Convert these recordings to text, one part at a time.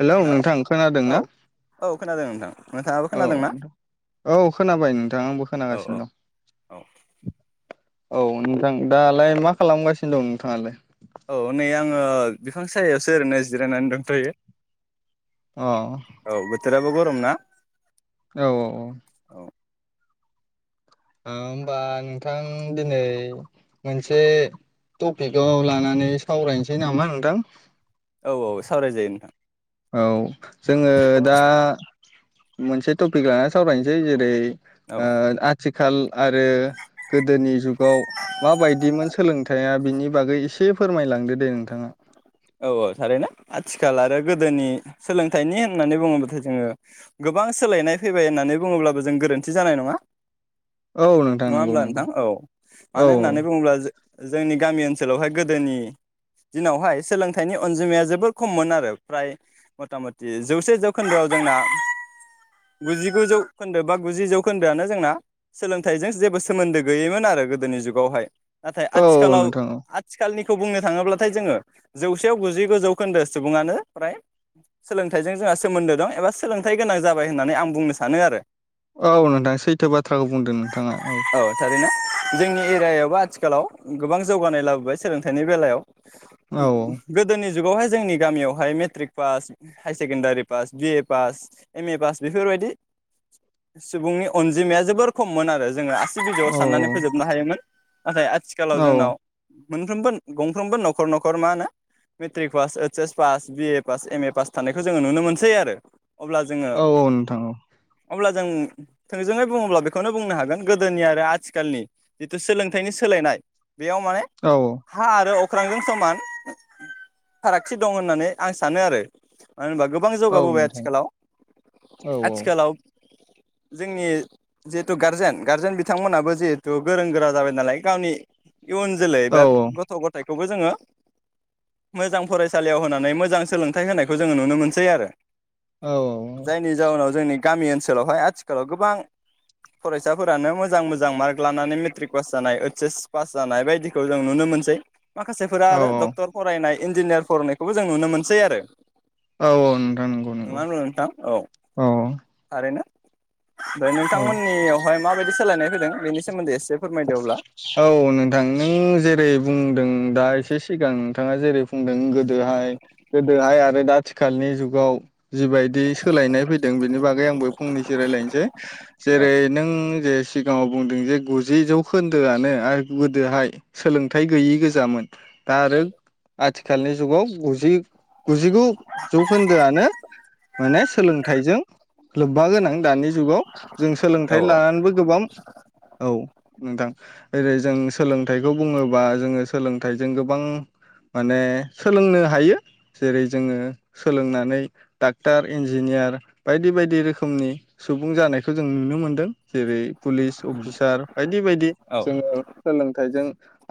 Hello hello नोंथां खोनादों औ ना औ खोनादों नोंथां नोंथाङाबो औ खोनादोंना नोंथां औ खोनाबाय नोंथां आंबो औ औ खोनागासिनो औ दं औ नोंथां दालाय मा खालामगासिनो दं नोंथाङालाय औ नै आङो बिफां सायायावसो ओरैनो जिरायनानै दंथयो अ औ बेथोराबो ग रम ना? औ औ-औ औ ओ होम्बा नोंथां दिनै मोनसे टपिकआव लानानै सावरायनोसै नामा नोंथां? औ औ सावरायजायो नोंथां औ जोङो दा मोनसे टपिक लानानै सावरायनोसै जेरै ओ औ आ आथिखाल आरो गोदोनि जुगाव माबायदिमोन सोलोंथाइया बिनि बागै एसे फोरमायलांदो दे नोंथाङा औ औ थारैनो आथिखाल आरो गोदोनि सोलोंथाइनि होननानै बुङोब्लाथाय जोङो गोबां सोलायनाय फैबाय होननानै बुङोब्लाबो जों गोरोन्थि जानाय नङा। औ नोंथां नङा नंगौ होमब्ला नंगौ नोंथां औ औ मानो होननानै बुङोब्ला जो-जोंनि गामि ओनसोलावहाय गोदोनि दिनावहाय सोलोंथाइनि अनजिमाया जोबोर खममोन आरो फ्राय मथा मथि जौसे जौखोन्दोआव जोंना गुजिगु जौखोन्दो बा गुजि जौखोन्दोआनो जोंना सोलोंथाइजों जेबो सोमोन्दो गैयैमोन आरो गोदोनि जुगावहाय। नाथाय औ औ आथिखालाव नोंथां औ आथिखालनि खौ बुंनो थाङोब्लाथाय जोङो जौसेयाव गुजिगु जौखोन्दो सुबुङानो फ्राय सोलोंथाइजों जोंहा सोमोन्दो दं एबा सोलोंथाइ गोनां जाबाय होननानै आं बुंनो सानो आरो औ नोंथां सैथो बाथ्राखौ बुंदों नोंथाङा औ जोंनि एरियायावबो आथिखालाव गोबां जौगानाय लाबोबाय सोलोंथाइनि बेलायाव औ गोदोनि जुगावहाय जोंनि गामियावहाय matric pass higher secondary pass BA pass M A pass बेफोरबायदि सुबुंनि अनजिमाया जोबोर खममोन आरो जों बिजौआव औ साननानै फोजोबनो हायोमोन। नाथाय आथिखालाव औ जोंनाव मोनफ्रोमबो गंफ्रोमबो नखर नखर मा होनो matric pass H S pass BA pass M A pass थानायखौ जोङो नुनो मोनसै आरो अब्ला जोङो औ औ नोंथां औ अब्ला जों थोंजोङै बुङोब्ला बेखौनो बुंनो हागोन गोदोनि आरो आथिखालनि जिथु सोलोंथाइनि सोलायनाय बेयाव माने औ हा आरो अ ख्रांजों समान फारागथि दं होननानै आं सानो आरो मानो होनबा गोबां औ जौगाबोबाय नोंथां आथिखालाव औ आथिखालाव जोंनि जिहेतु गारजेन गारजेन बिथांमोनाबो जिहेतु गोरों गोरा जाबाय नालाय गावनि इयुन जोलै औ बा गथ गथायखौबो जोङो मोजां फरायसालियाव होनानै मोजां सोलोंथाइ होनायखौ जोङो नुनो मोनसै आरो औ जायनि जाउनाव जोंनि गामि ओनसोलावहाय आथिखालाव गोबां फरायसाफोरानो मोजां मोजां मार्क लानानै मेट्रिक पास जानाय ओइस एस पास जानाय बायदिखौ जों नुनो मोनसै माखासेफोरा औ आरो दक फरायनाय इन्जिनियार फरायनायखौबो जों नुनो मोनसै आरो औ औ नोंथां नंगौ नङा नंगौ होनब्ला नोंथां औ औ थारैनो [inaudible] औ नोंथांमोननियावहाय माबायदि सोलायनाय होदों बे सोमोन्दै एसे फोरमायदो अब्ला औ नोंथां नों जेरै बुंदों दा एसे सिगां नोंथाङा जेरै बुंदों गोदोहाय गोदोहाय आरो दा आथिखालनि जुगाव जिबायदि सोलायनाय फैदों बिनि बागै आंबो फंनैसो रायज्लायनोसै औ जेरै नों जे सिगाङाव बुंदों जे गु जि जौखोन्दोआनो आरो गोदोहाय सोलोंथायाइ गैयि गोजामोन दा आरो आथिखालनि जुगाव गुजि गुजिगु जौखोन्दोआनो माने सोलोंथाइजों लोब्बा गोनां दानि जुगाव जों सोलोंथाइ औ औ लानानैबो गोबां औ नोंथां ओरै जों सोलोंथाइखौ बुङोबा जोङो सोलोंथाइजों गोबां माने सोलोंनो हायो जेरै जोङो सोलोंनानै डाक्टार इन्जिनियार बायदि बायदि रोखोमनि सुबुं जानायखौ जों नुनो मोनदों जेरै पुलिस औ अफिसार बायदि बायदि जोङो सोलोंथाइजों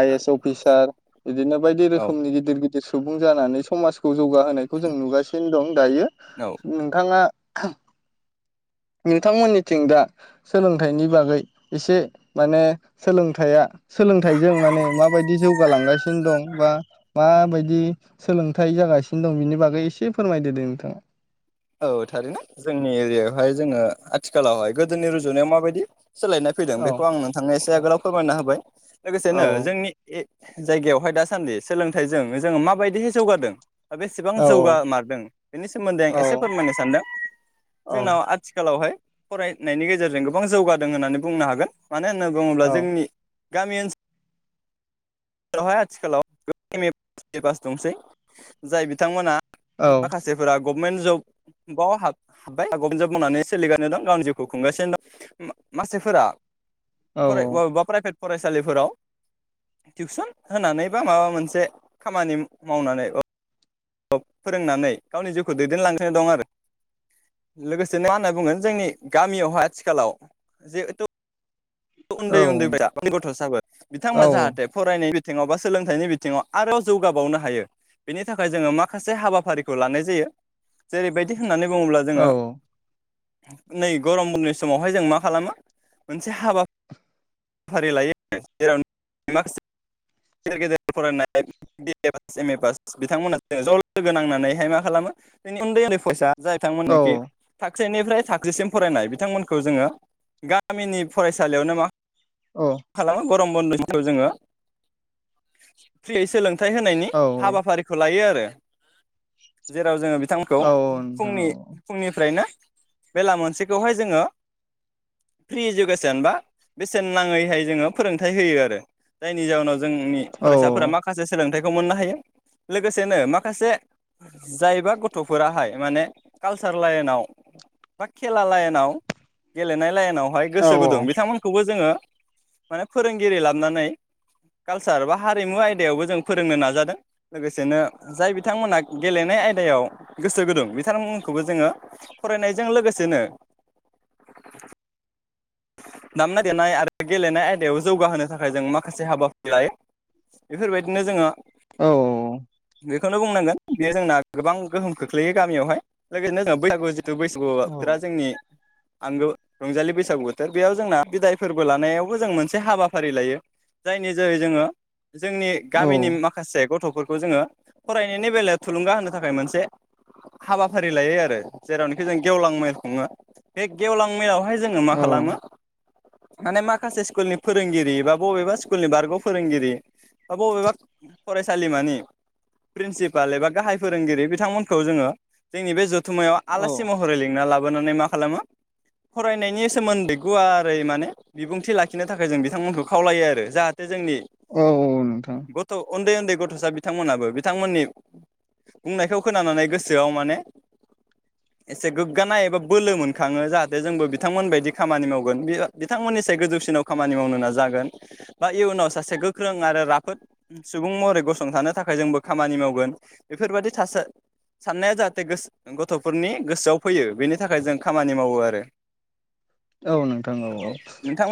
आइ ए एस अफिसार बिदिनो बायदि औ रोखोमनि गिदिर गिदिर सुबुं जानानै समाजखौ जौगाहोनायखौ जों नुगासिनो दं दायो औ नोंथाङा [unintelligible] नोंथांमोननिथिं दा सोलोंथाइनि बागै एसे माने सोलोंथाइया सोलोंथाइजों माने माबायदि जौगालांगासिनो दं बा माबायदि सोलोंथाइ जागासिनो दं बिनि बागै एसे फोरमायदो दे नोंथा औ थारैनो जोंनि एरियायावहाय जोङो आथिखालावहाय गोदोनि रुजुनायाव माबायदि सोलायनाय फैदों औ बेखौ आं नोंथांनो एसे आगोलाव फोरमायना होबाय औ लोगोसेनो जोंनि ए जायगायावहाय दासान्दि सोलोंथाइजों जोङो माबायदिहाय जौगादों बेसेबां औ जौगा मारदों बेनि सोमोन्दै आं औ एसे फोरमायनो सानदों औ जोंनाव आथिखालावहाय फरायनायनि गेजेरजों गोबां जौगादों होननानै बुंनो हागोन मानो होनना बुङोब्ला औ जोंनि गामि ओनसोल जेरावहाय आथिखालाव गोबां M A pass B A pass दंसै जाय बिथांमोना औ मााखासे फोरा गभमेन्ट जबाव हाबबाय गभमेन्ट जब मावनानै सोलिगानो दं गावनि जिउखौ खुंगासिनो दं मानसिफोरा औ [unintelligible] फरायसालिफोराव टिउसन होनानै बा माबा मोनसे खामानि मावनानै फोरोंनानै गावनि जिउखौ दैदेनलांगसिनो दं आरो लोगोसेनो मा होनना बुङो जोंनि गामियावहाय आथिखालाव जिहेथु उन्दै उन्दै [unintelligible] बिथांमोना औ जाहाथे फरायनाय बिथिङाव बा सोलोंथाइनि बिथिङाव आरोबाव जौगाबावनो हायो बेनि थाखाय जोङो माखासे हाबाफारिखौ लानाय जायो जेरैबायदि होननानै बुङोब्ला औ जोङो नै गरम बन्दनि समावहाय जों मा खालामो मोनसे हाबा फारि लायो जेराव माखासे गेजेर गेजेर फरायनाय B A pass M A pass बिथांमोना ज ज लोगो नांनानैहाय मा खालामो जोंनि उन्दै उन्दै फरायसा जाय थां‌ मोनखि औ थाग सेनिफ्राय थाखोसिम फरायनाय बिथांमोनखौ जोङो गामिनि फरायसालियावनो मा खालामो गरम बन्द खौ जोङो फ्रियै सोलों थाय होनायनि औ हाबाफारिखौ लायो आ रो जेराव जोङो थांमोनखौ औ नोंथां फुंनि फुंनिफ्रायनो बेला मोनसेखौहाय जोङो फ्रि इडुकेसन बा बेसेन नाङैहाय जोङो फोरोंथाइ होयो आरो जायनि जाउनाव जोंनि औ फरायसाफोरा माखासे सोलोंथाइ खौ मोननो हायो लोगोसेनो माखासे जायबा गथ'फोराहाय माने कालसार लाइनाव बा खेला लाइनाव गेलेनाय लाइनावहाय औ गोसो गुदुं बिथांमोनखौबो जोङो माने फोरोंगिरि लाबोनानै कालसार बा हारिमु आयदायावबो जों फोरोंनो नाजादों लोगोसेनो जाय बिथांमोनहा गेलेनाय आयदायाव गोसो गुदुं बिथांमोनखौबो जोङो फरायनायजों लोगोसेनो दामनाय-देनाय आरो गेलेनाय आयदायाव जौगाहोनो थाखाय जों माखासे हाबाफारि लायो बेफोरबायदिनो जोङो औ बेखौनो बुंनांगोन बेयो जोंना गोबां गोहोम खोख्लैयो गामियावहाय लोगोसेनो जोंङो बैसागु थु बैसागुफोरा जोंनि आंगो रंजालि बैसागु बो बेयाव जोंना बिदाय फोरबो लानायावबो जों मोनसे हाबाफारि लायो जायनि जेरै जोङो जोंनि औ गामिनि माखासे गथफोर खौ जोङो फरायनायनि बेलायाव थुलुंगा होनो थाखाय मोनसे हाबाफारि लायो आरो जेरावनोखि जों गेवलां मेल खुङो बे गेवलां मेलावहाय जोङो मा औ खालामो माने माखासे स्कुलनि फोरोंगिरि बा बबेबा स्कुलनि बारग' फोरोंगिरि बा बबेबा फरायसालिमानि प्रिन्सिपाल एबा गाहाय फोरोंगिरि बिथांमोनखौ जोङो जोंनि बे जु थुमायाव आलासि औ महरै लिंना लाबो नानै मा खालामो फरायनायनि सो सोमोन्दै गुवारै माने बिबुंथि लाखिनो थाखाय जों बिथांमोनखौ खावलायो आरो जाहाथे जोंनि औ औ नोंथां। गथ' उन्दै उन्दै गथ'सा बिथांमोनाबो बिथांमोननि बुंनायखौ खोनानानै गोसोआव माने एसे गोग्गानाय एबा बोलो मोनखाङो जाहाथे जोंबो बिथांमोनबायदि खामानि मावगोन बि-बिथांमोननिसाय गोजौसिनाव खामानि मावनो नाजागोन बा इयुनाव सासे गोख्रों आरो राफोद सुबुं महरै गसंथानो थाखाय जोंबो खामानि मावगोन बेफोरबायदि थासा साननाया जाहाथे गोस गथ'फोरनि गोसोआव फैयो बेनि थाखाय जों खामानि मावो आरो। औ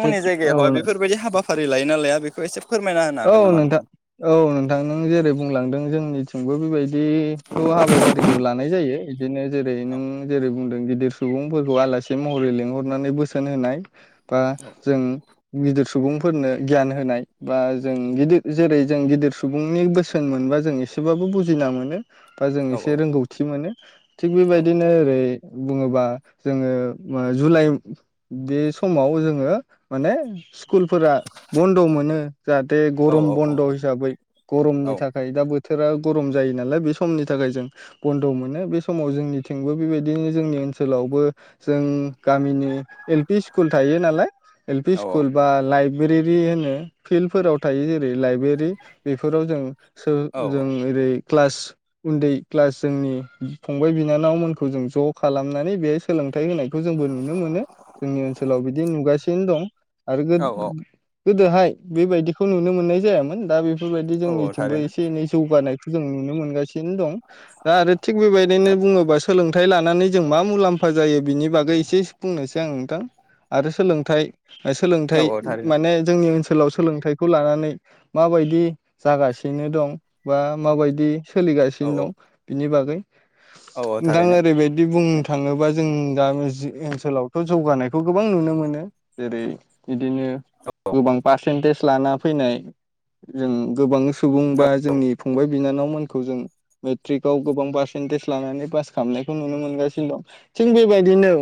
थिग औ जायगायावहाय बेफोरबायदि हाबाफारि लायो नालाया? बेखौ एसे फोरमायना होनो औ हागोन नामा नोंथां औ नोंथां नों जेरै बुंलांदों जोंनिथिंबो बेबायदि दिखौ हाबाफारिखौ लानाय जायो बिदिनो जेरै औ नों जेरै बुंदों गिदिर सुबुंफोरखौ आलासि महरै लिंहरनानै बोसोन होनाय बा जों गिदिर सुबुंफोरनो गियान होनाय बा जों गिदिर जेरै जों गिदिर सुबुंनि बोसोन मोनबा जों एसेबाबो बुजिना मोनो। बा जों औ एसे रोंगौथि मोनो। [unintelligible] थिग बेबायदिनो ओरै बुङोबा जोंङो जुलाइ बे समाव जोंङो माने स्कुलफोरा बन्द मोनो जाहाथे औ गरम बन्द हिसाबै औ गरमनि थाखाय दा बोथ बोथोरा गरम जायो नालाय बे समनि थाखाय जों बन्द मोनो बे समाव जोंनिथिंबो बेबायदिनो जोंनि ओनसोलावबो जों गामिनि एल पि स्कुल थायो नालाय एल पि औ स्कुल बा लाइब रेरि होनो फिल्डफोराव थायो जेरै लाइब्रेरि बेफोराव जों सोर औ जों ओरै क्लास उन्दै क्लास जोंनि फंबाय बिनानावमोनखौ जों ज खालामनानै बेहाय सोलों फोथाय होनायखौ जोंबो नुनो मोनो जोंनि ओनसोलाव बिदि नुगासिनो दं आरो गो औ गोदोहाय बेबायदिखौ नुनो मोननाय जायामोन दा बे बेफोरबायदि औ औ जोंनिथिंबो थारैनो एसे एनै जौगानाय जों नुनो मोनगासि [unintelligible] दं दा आरो थिग बेबायदिनो बुङोबा सोलोंथाइ लानानै जों मा मुलाम्फा जायो बिनि बागै एसे बुंनोसै आं नोंथां आरो सोलोंथाइ औ सोलोंथाइ औ थारैनो माने जोंनि ओनसो ओनसोलाव सोलोंथाइखौ लानानै माबायदि जागासिनो दं बा माबायदि औ सोलिगासिनो औ दं बिनि बाग औ औ नोंथां थारैनो ओरैबायदि बुंनो थाङोबा जों गामि ओनसोलावथ' जौगानायखौ गोबां नुनो मोनो जेरै- बिदिनो गोबां पारसेन्टेज लाना फैनाय जों गोबां सुबुं औ बा जोंनि फंबाय बिनानावमोनखौ जों मेट्रिकआव गोबां पारसेन्टेज लानानै पास खालामनायखौ नुनो मोनगासिनो दं थिग बेबायदिनो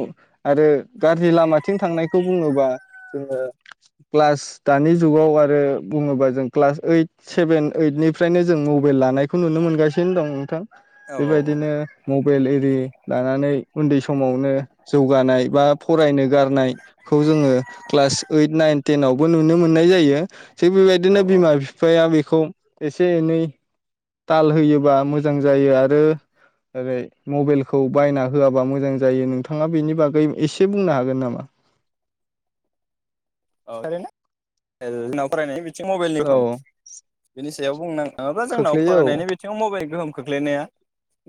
आरो गाज्रि लामाथिं थांनायखौ बुङोबा जोङो क्लास दानि जुगाव आरो बुङोबा जों क्लास ओइट सेभेन ओइदनिफ्रायनो जों मबाइल लानायखौ नुनो मोनगासिनो दं नोंथां। औ औ बेबायदिनो मबाइल इरि लानानै उन्दै समावनो जौगानाय बा फरायनो गारनायखौ जोङो क्लास ओइट नाइन तेनाव बो नुनो मोननाय जायो। थिग औ बेबायदिनो औ बिमा बिफाया बे खौ एसे एनै ताल होयोबा मोजां जायो आरो ओरै मबाइलखौ बायना होआबा मोजां जायो नोंथाङा बेनि बागै एसे बुंनो हागोन नामा? [unintelligible] फरायनाय बिद [unintelligible] मबाइलनि औ बिनिस सायाव बुंनो नङाबा जोंनाव खोख्लैयो फरायनायनि बिथिङाव मबे गोहोम खोख्लैनाया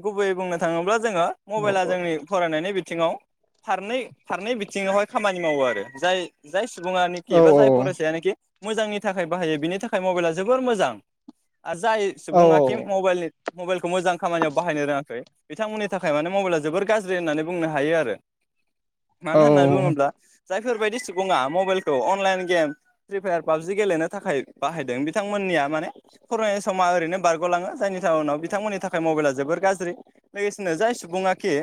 गुबैयै बुंनो थाङोब्ला जोङो औ मबाइला जोंनि फरायनायनि बि थिङाव फारनै फारनै बिथिङावहाय खामानि मावो आरो जाय जायस बुङा औ निखि बा जाय फरायसायानाखि मोजांनि थाखाय बाहायो बिनि थाखाय मबाइला जोबोर मोजां। आरो जाय औ सुबुङाखि मबाइलनि मबाइलखौ मोजां खामानियाव बाहायनो रोङाखै बिथांमोननि थाखाय माने मबाइला जोबोर गाज्रि होननानै बुंनो हायो आरो औ मानो होनना बुङोब्ला जायफोरबायदि सुबुङा मब मबाइलखौ online game free fire PUBG गेलेनो थाखाय बाहायदों बिथांमोननिया माने फरायनाय समा ओरैनो बारगलाङो जायनि जाहनाव बिथांमोननि थाखाय मबाइला जोबोर गाज्रि लोगोसेनो जाय सुबुङाखि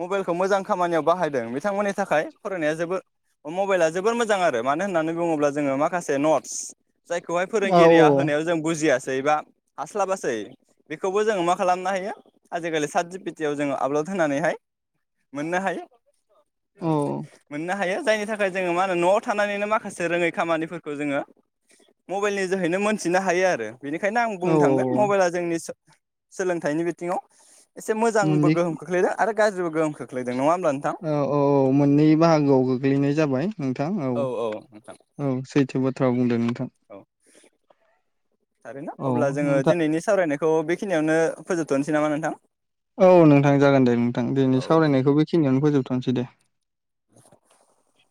मबाइलखौ मोजां खामानियाव बाहायदों बिथांमोननि थाखाय फरायनाया जेबो ओ मबाइला जोबोर मोजां आरो मानो होननानै बुङोब्ला जोङो माखासे नटस जायखौहाय फोरोंगिरिया होनायाव जों बुजियास सै बा हास्लाबासै बेखौबो जोङो मा खालामनो हायो आजिखालि सात जि पि टि आव जोङो आपलड होनानैहाय मोननो हायो। औ ओं मोननो हायो। जायनि थाखाय जोङो मा होनो न'आव थानानैनो माखासे रोङै खामानिफोरखौ जोङो मबाइलनि जोहैनो मोनथिनो हायो आरो। बेनिखायनो आं औ बुंनो थांगोन मबाइला जोंनि स सोलोंथाइनि बिथिङाव। एसे मोजांबो मोननै गोहोम खोख्लैदों आरो गाज्रिबो गोहोम खोख्लै औ औ औ मोननै बाहागोआव गोग्लैनाय जाबाय नोंथां औ औ सैथो बाथ्रा बुंदों नोंथां। औ आरोना औ अब्ला जोङो नोंथां दिनैनि सावरायनाय खौ बेखिनियावनो फोजोबथनोसै नामा नोंथां? औ नोंथां जागोन दे नोंथां दिनै औ दे सावरायनायखौ बेखिनियावनो फोजोबथनसै दे। [inaudible]